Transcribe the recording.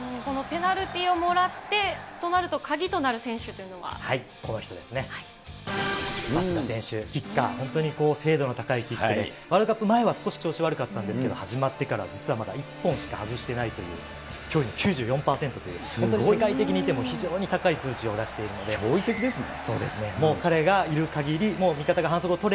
このペナルティーをもらってとなると、この人ですね、松田選手、キッカー、本当に精度の高いキックで、ワールドカップ前は、少し調子悪かったんですけれども、始まってから実はまだ１本しか外していないという、驚異の９４％という、本当に世界的に見ても非驚異的ですね。